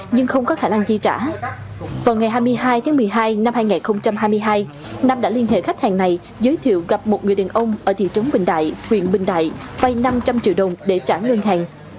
nam đã liên hệ khách hàng này giới thiệu gặp một người đàn ông ở thị trấn bình đại huyện bình đại vay năm trăm linh triệu đồng để trả ngân hàng